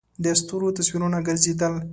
د ستورو تصویرونه گرځېدل.